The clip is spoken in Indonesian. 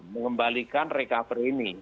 mengembalikan recovery ini